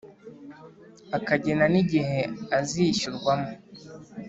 akagena n igihe azishyurwamo